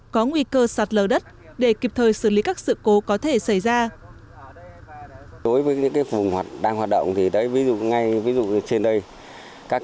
có nguy cơ sạt lờ đất để kịp thời xử lý các sự cố có thể xảy ra